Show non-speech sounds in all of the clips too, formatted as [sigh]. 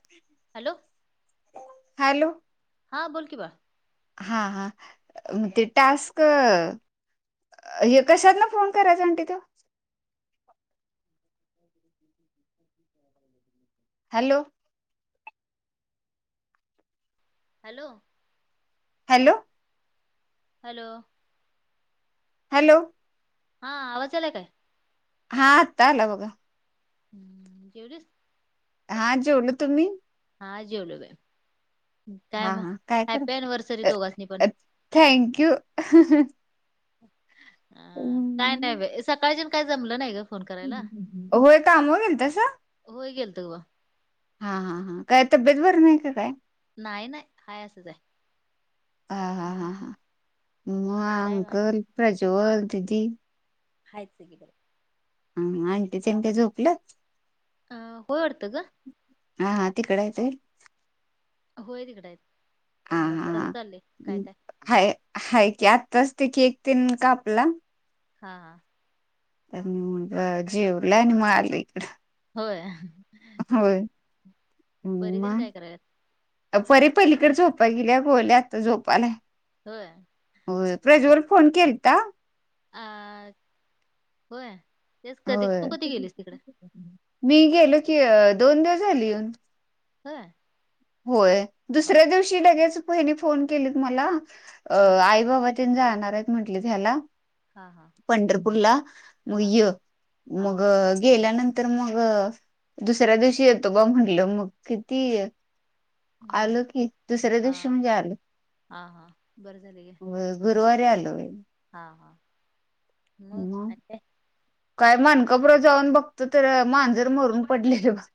[inaudible] Hello! Hello! हा बोल कि बाळ. हा हा ते टास्क हे कशात न फोन करायच म्हणती तू. [unintelligible] Hello! Hello! Hello! Hello! Hello! हा आवाज यायलाय काय? हा आता आला बघा. हम्म! जेवलीस? हा जेवलो तुम्ही. हा जेवलो बाई. काय हा म हा काय कर हॅप्पी एनव्हर्सरी दोघासनी पण. थँक्यू. अ काय नाय बाई. सकाळच्याण काय जमलं नाही ग. फोन करायला होय कामावर गेलतेसा. होय गेलतोग [inaudible] हा हा हा. काय तब्येत बरी नाय का? काय. नाय नाय. हाय असाच हाय. म अंकल, प्रज्वल, दिदी. हायत सगळी बरे. हा आंटीचे तेन काय झोपलंत. अ होय वाडत ग. हा हा तिकड हाय ते. होय तिकडय. हा म हा कसं चाललंय. काय अं, काय. हाय हाय की, आत्ताच ते केक तेन कापला. हा हा. जेवलनी म आलो इकडं, होय. होय. परी तेन म. काय करायल्यात परी पलीकड झोपाय गेल्या. गोल्या आता झोपालाय. होय. होय. प्रज्वाल फोन केलता. अ होय. तेच कधी, तू होय कधी गेलीस तिकडं. मी गेलो की, दोन दिवस झाली, येऊन. होय. होय. हा दुसऱ्या दिवशी लगेच वाहिनी फोन केलीत मला. हा आई बाबा तेन जाणार हायत म्हटलीत ह्याला. हा पंढरपूरला. म हा य हा मग गेल्यानंतर तर मग, दुसऱ्या दिवशी येतो बा म्हटलंस, मग किती. आलो की, हम्म. दुसऱ्या हा दिवशी म्हणजे आलो. हा हा बरं झाले गे व्हय. गरुवारी आलो बाई. हा हा. मग म आणि काय? काय मानकापुरात जाऊन बघतो. तर मांजर मरून पडलेलं बाई.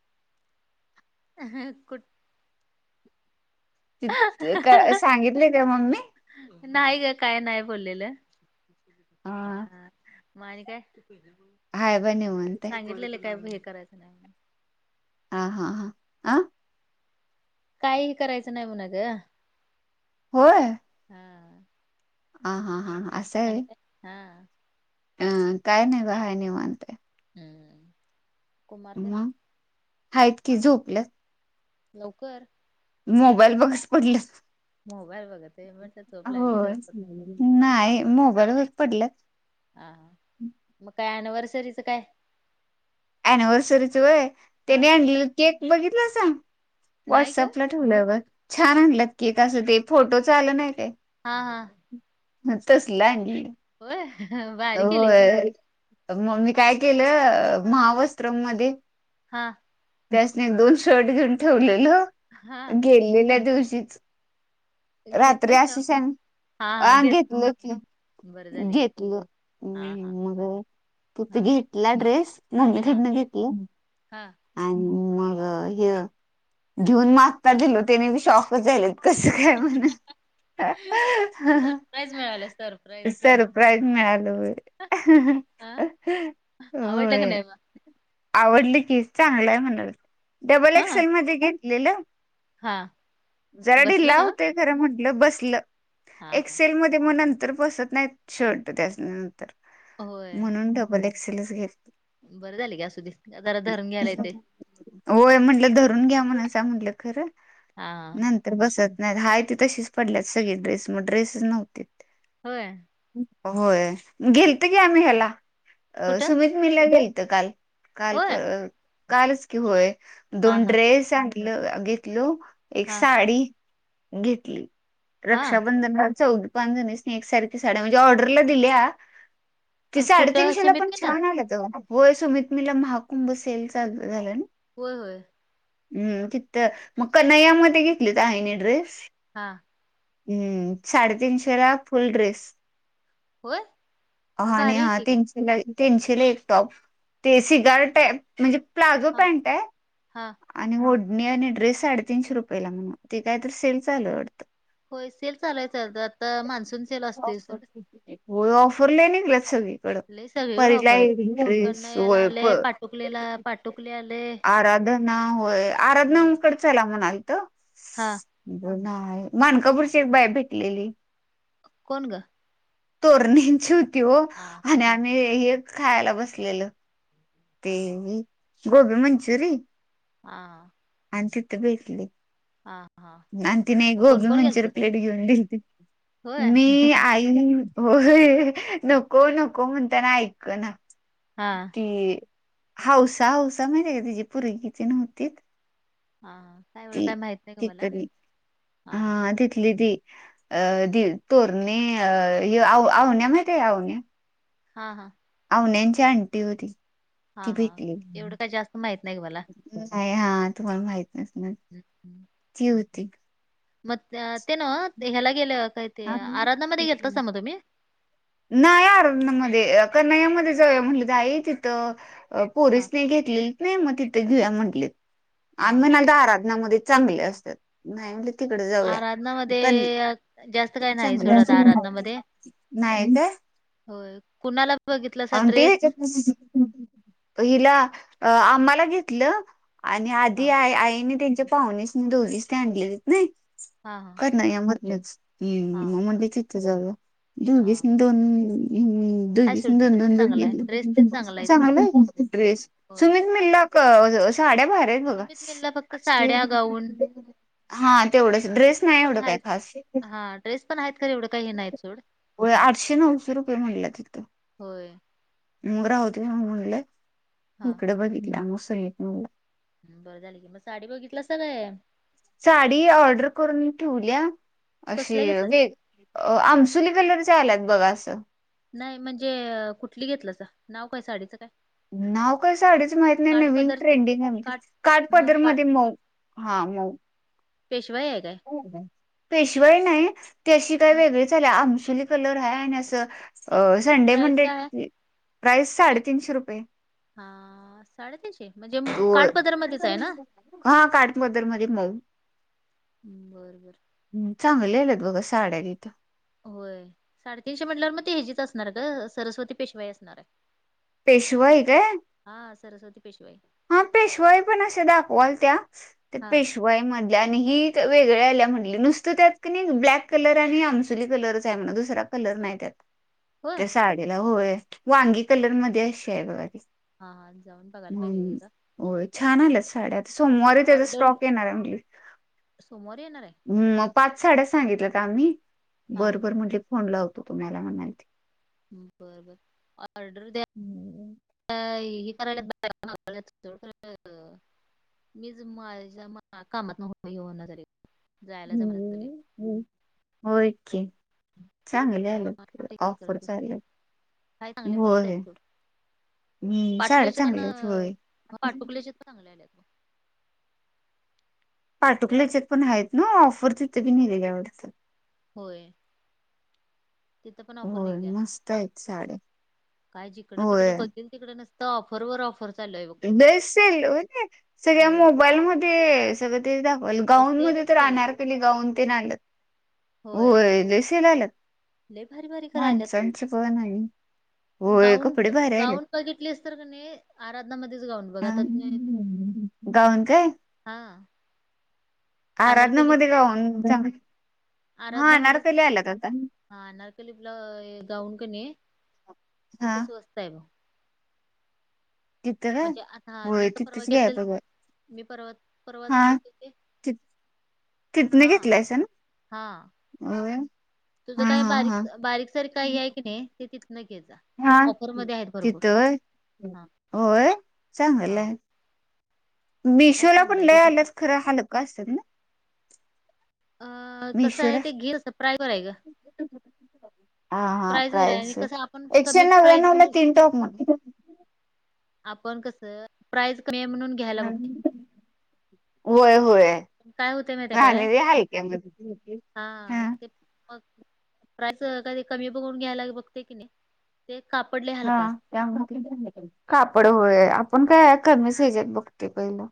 कुठ [unintelligible] तीत काय सांगितलय काय मम्मे. नाही ग काय नाही बोललेलं. अ म आणि काय. हाय बा निवांत आहे सांगितलेले काय. हे करायचं नाय म्हणून. हा हा हा. अ काहीही करायचं नाही. म्हणत ग. होय. हा. हा हा म हा आणि काय. हा अं काय नाही बा, हाय निवांत. हम्म हम्म. कुमार ते म हायेत की, झोपल्यात. लवकर. मोबाईल बघत पडल्यात. मोबाईल बघते. मी म्हटलं झोप लागली होय लवकर. नाही मोबाईल बगत पडल्यात. हा. मग काय अनिव्हर्सरीचं काय? अनिव्हर्सरीच व्हय, हा त्याने अणलेला केक बघितला सां. नाही ग व्हॉट्सअपला ठेवलं ब छान आणलं की तसं ते फोटो च आलं नाही ते हा हा ह तसल आणलंय हो भारी केले की मग मी काय केलं हा महावस्त्रममध्ये हा त्यासने दोन शर्ट घेऊन ठेवलेलं हा. गेलेल्या दिवशीच रात्री घेतलीस ना असे सांग हा हा ह घेत घेतलं बरं झाले घे घेतलं हा हम् हा मग तू त हा घेतला ड्रेस हा मम्मीकडे घेतला हा आणि मग हे घेऊन मग आता दिलो. त्येनी बी शॉकच झालीत. कस काय म्हण. सरप्राईज मिळालं सरप्राईज सर परप्राइझ मिळालय हा आवडलं का होय नाही मग आवडली की चांगलं आहे म्हण डब्बल हा एक्सेल मध्ये घेतलेलं हा जरा बसलं ढिल्ला ना होता र म्हटलं बसेल हा हा एक्सेल मध्ये मग नंतर बसत नाही शर्ट त्या नंतर होय म्हणून डबल एक्सेलच घेत बरं झाले का असुदे जरा धरून घ्यायला येते होय म्हटलं धरून घ्या म्हण अस म्हंटलं खर हा हा. नंत तर बसत नाही हाय ते तशीच पडल्यात सगळे ड्रेस मग ड्रेसच नव्हते होय होय गेलत की आम्ही ह्याला अ कुठं सुमित मीला गेलत काल काल होय कालच कि होय हा दोन हा ड्रेस आणल घेतल एक हा साडी घेतली हा रक्षाबंधन चौघी पाच जणी एकसारखी साड्या म्हणजे ऑर्डरला दिल्या ति अ, कुठं साडेतीनशे सुमित लापण मिलला छान आलं त होय सुमित मिल ला महाकुंभ सेल चालू झाला ना होय होय हम्म तितत मग कनैयामध्ये घेतली आईनी आहे ड्रेस हा हम्म साडे तेच ना. तीनशे ला फुल ड्रेस होय ह मग आणि भारी आहे हा की गं. तीनशेला तीनशेला एक टॉप ते सिगारट आहे म्हणजे प्लाझो हा पॅन्ट आहे हा आणि ओढणी आणि ड्रेस साडेतीनशे रुपये ला म्हणून ते काय तर सेल चालू वाढत होय सेल चालू आहे यचालतात मान्सून सेल असतोय सोड होय ऑफर लय निघल्यात सगळी कड लय सगळीकडे ऑफर आहेत परीलास कन्हैयाला आले वळप पाटुकलेला पाटुकले आले आराधना होय आराधना कडचायला म्हणालत हा मानकापूरची एक बाय भेटलेली कोण ग तोरणींची होती हो हा आणि हा आम्ही हेच खायला बसलेल ते हा गोभी मंचुरीयन हा आणि तिथ भेटली हा हा आणि तिने कोण गोबी कोण मंचुरी गेलतसा प्लेट घेऊन दिली त होय मी आई नाही हो नको नको म्हणताना ऐक ना हा ती हौसा हौसा माहितीे का तीची पोरगी ती नव्हती हा काय एवढं काय माहित नाही ग त मला तणी हा तथली ती अ दि तोरणे आव आवण्या माहिती आहे आवण्या हा हा. आवण्याची आणंटी ओ ती. हा ती हा भेटली एवढं काय जास्त माहित नाही ग मला हा तुम्हाला माहित नसनार. हम् हम्. की होती. मग ते ना ह्याला गेलं काही ते आराधामध्ये गेलतासा मग तुम्ही? नाही अरणामध्येध्ये कनयामध्येध्ये जाऊया म्हणलं ताई तिथं. हा पोरीस नाही घेतलेली नाही मग तिथं घेऊ म्हंटलीत. हा आम्ही हा म्हणाल तर आराधनामध्ये चांगले असतात नाही म्ह तिकडे जाऊया आराधनामध्ये पण जास्त. काही नाही चांगलं सोडा आता आराधनामध्ये नाही. होय कुणाला बघितलंसा ड्रेस. ह. हिला आमम्हाला घेतलं आणि आधी हा आई आईने त्यांच्या पाहून असणे दोघींनी आणलेलेत नाही. हा हा. नाही म्हणलेच हा म्हणले तिथे जाऊया. दोन हा ह् दु. आहे सोड तिथं दोन पण दोन जन चांगला आहे ड्रेस घले तेन चांगला आहे सोड तिथं चांग ड्रेस होय सुमित मिला साड्या भारी आहेत बघा. सुमित मिलला फक्त साड्या गाऊन हा तेवढंच ड्रेस नाही पण एवढं काय आहेत खास. हा ड्रेस पण आहेत एढं. हो आठशे नऊशे रुपये म्हणला तिथं. होय. मग राहू दे मग म्हणलं हा इकडे बघितलं मस य बरं झालं की मग साडी बघितलास काय? साडी कस- ऑर्डर करून ठेवल्या अशी कसल्या घेतलासा वे अ आमसुली कलरचे आल्यात बघा असं. नाही म्हणजे कुठली घेतलं अस नाव काय साडीचं काय? नाव का साडीच माहित नाही नवीन ट्रेंडिंग आहे म्हणे काठ हा पदर काठ मध्ये म हा माऊ. पेशवाई हाय काय? पेशवाई नाही त अशी काय हा वेगळीचल्या आमसुली कलर ह आणि असं संडे प्राईस मंडे काय आहे प्राइस साडेतीनशे रुपये. हा. साडेतीनशे म्हणजे तो मग काठपदरमध्येध्येच आहे ना. हा काठ पदर मध्ये मऊ ह्म बर बर. चांगलेलेलेत बघा साड्या तिथं. होय साडेतीनशे म्हटल्यावर मग ते हजीच असणार का सरस्वती पेशवाई असणार आहे. पेशवाइ काय? हा सरस्वती पेशिवाई. हा पेशवाई पण असे दाखवाल त्या हा पेश आणि वेगळ्या आल्या म्हट नुसत त्यात ब्लॅक कलर आणि आ. कलरच आहे म्ह दुसरा कलर नाही त्या. ह. त्या साडीला होय वांगी कलर मध्ये अशी आहे बघा ती हा हा जाऊन बघायला हम्म पाहिजेदा. होय छान आलं साडे आ सोमवारी त्याचा ऑर्डर स्टॉक येणार अगली. सोमवारी येणार आहे ह मग पाच साड्या सांगितल्या तर आम्ही हा बरोबर म्हणजे फोन लावतो तुम्हाला म्हणाल. बरबर ऑर्डर द्या हम्म. हे करायलाो मीच माझ्या मा कामात न घेऊन झाली जायला जमाना झाली. हो हो एके. मा कुठेही करत ऑफर बसतेस चालेल काय चांगले मस्त आहेत होय थोड. हम्म साड्या पाटुल्याचे चांगल्या पना आहेत होय. पाटुकल्याचे चांगले आले त. पाठुकल्याचे पण आहेत ना ऑफर तिथे पि नाही रेात. होय. तिथं पण ऑफर होय निघल्या मस्त आहेत साड्या काय जिकड तिकडं होय बघल. तिकडे नसंत ऑफर ऑफर. चालू आहे बघ बसेल हो. सगळ्या होय मोबाईलमध्ये सगळं तेरी दाखवाल तसं गाऊनमध्येध्ये सेलच तर केलंय राणार क गाऊन ते नालं. हो होय जेसीला आला. लय भारी भारी करायल्यात माणसांच प ना हो कपडे भरले. ब घेतली अस तर का नाही आराधनामध्येच गाऊन बघातात. गाऊन काय हा. आराधनामध्येध्ये काऊनां. आराधना मध्ये हानारकलीपला गाऊन कणी हा तिथं स्वस्त आहे बघ तिथं काय म्हणजे आता मी होय आता परवा तिथंच घ्याय घेतलेल पाहिजे मी परवा हा परवाजां घेतली ते ति हा हा. अ.. तुझं काही बारीक बारीकसारख काही आहे की नाही ते तिथन घ्या जा. हा. ऑफरमध्ये आहेत भरपूर तिथं होय. हा होय चांगलं हा. आहे. काय मिशोला पण चांगलं आहे ते लय आल्याच खरं हालका असत ना. अ कसं आहे मिशोला ते घेल स प्र्रायवर आहे का. हा हा प्राईजवर आहे प्रास आणि कसं आपण एकशे कमी नव्या प्राईज नव म्हणून तीन टॉक म्हण. आपण कसं प्राईज म्हणून. घ्यायला बघतो होय होय. काय होते म ते काय आणि हलक्यामध्ये हा ते मग. प्राईस कधी कमी बघून घ्यायला बघते की नाही ते कापडले हलका असत. त्या कापड होय आपण काय कमी सजत बघते पहिलं.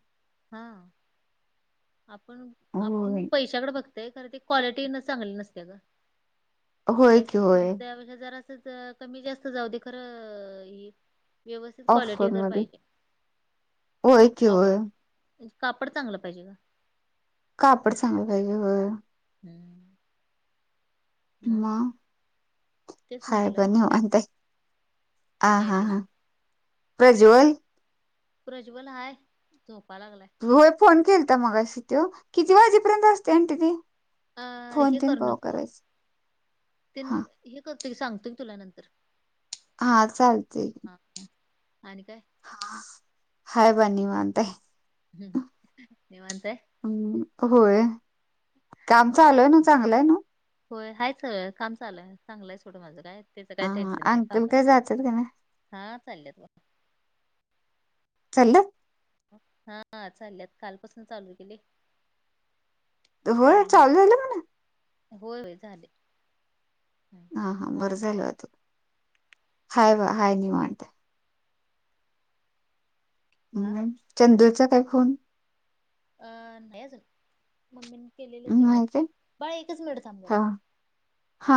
हा. आपण आपण होय. पैशाकडे बघतय कारण ते क्वालिटी चांगली नसते का. होय त्या की होय त्याा जरा अस कमी जास्त जाऊ दे खरं. व्यवस्थित क्वालिटी ऑफर तर मध्ये पाहिजे. होय की होय कापड चांगलं पाहिजे का का आपडण सांगलं पाहिजे. हम्म. मग म तेच खय म्हंटलं बनऊ आता. आ काय हा ते हां प्रज्वल. प्रज्वल हाय झोपा लागलाय. होय फोन केलता मग अशी त किती वाजेपर्यंत असते आणटी ती. अ फोन हे तेन करू कवा नको. करायच? हा हे करत की सांगतो मी तुला नंतर. हा चालतेय. ह आणिन काय? हाय बाय निवांत आहे. हम्म निवंत आहे? हम् होय काम चालूय ना चांगलंय ना होय आहेयच सगळं काम चालय चांगलंयच छोटं माझं काय त्याच हा काही हा टेन्शन नाही अंकल कामत काय जातात का नाही हा चाललत बघ चालेयत हा चालल्यात कालपासून चालू केेले होय चालू आहेल म्हण होय होय ले हा हा बरं काय झाल तू हाय वा हाय नन्ट हा हम् चंद्रचा काय खून अं नाही अजून मम्मीने केलेले तेवढं नाही काय बाळ एकच मिळत हा आमदरच हा